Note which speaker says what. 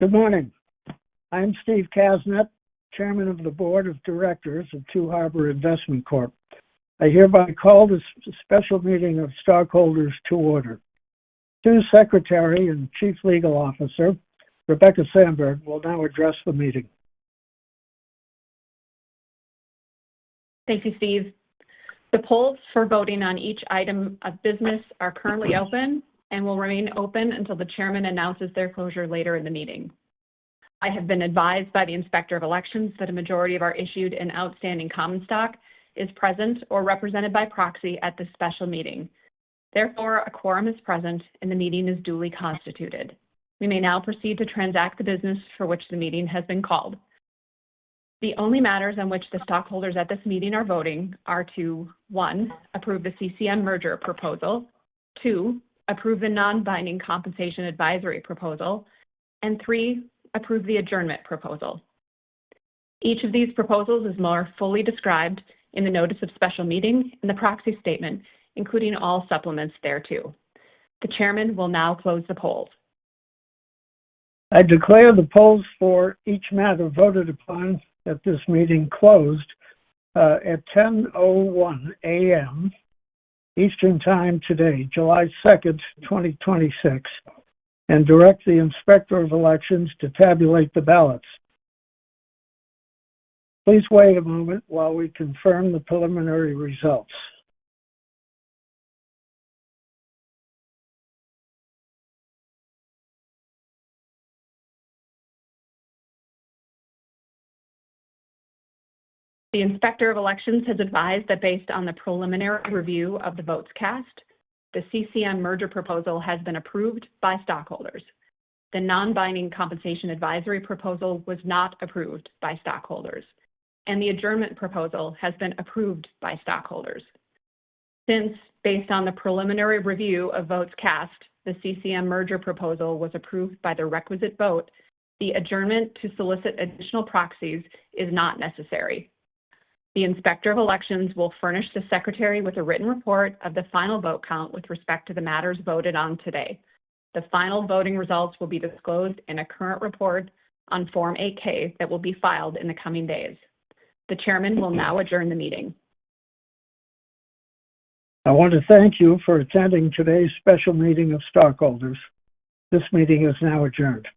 Speaker 1: Good morning. I'm Steve Kasnet, Chairman of the Board of Directors of Two Harbors Investment Corp. I hereby call this special meeting of stockholders to order. Two's Secretary and Chief Legal Officer, Rebecca Sandberg, will now address the meeting.
Speaker 2: Thank you, Steve. The polls for voting on each item of business are currently open and will remain open until the Chairman announces their closure later in the meeting. I have been advised by the Inspector of Elections that a majority of our issued and outstanding common stock is present or represented by proxy at this special meeting. Therefore, a quorum is present, and the meeting is duly constituted. We may now proceed to transact the business for which the meeting has been called. The only matters on which the stockholders at this meeting are voting are to, one, approve the CCM merger proposal, two, approve the non-binding compensation advisory proposal, and three, approve the adjournment proposal. Each of these proposals is more fully described in the notice of special meeting in the proxy statement, including all supplements thereto. The Chairman will now close the polls.
Speaker 1: I declare the polls for each matter voted upon at this meeting closed at 10:01 A.M. Eastern Time today, July 2, 2026, and direct the Inspector of Elections to tabulate the ballots. Please wait a moment while we confirm the preliminary results.
Speaker 2: The Inspector of Elections has advised that based on the preliminary review of the votes cast, the CCM merger proposal has been approved by stockholders. The non-binding compensation advisory proposal was not approved by stockholders, and the adjournment proposal has been approved by stockholders. Since, based on the preliminary review of votes cast, the CCM merger proposal was approved by the requisite vote, the adjournment to solicit additional proxies is not necessary. The Inspector of Elections will furnish the Secretary with a written report of the final vote count with respect to the matters voted on today. The final voting results will be disclosed in a current report on Form 8-K that will be filed in the coming days. The Chairman will now adjourn the meeting.
Speaker 1: I want to thank you for attending today's special meeting of stockholders. This meeting is now adjourned.